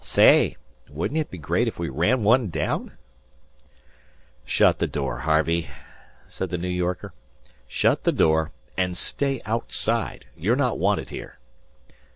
Say, wouldn't it be great if we ran down one?" "Shut the door, Harvey," said the New Yorker. "Shut the door and stay outside. You're not wanted here."